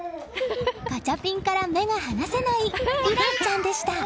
ガチャピンから目が離せない海蘭ちゃんでした。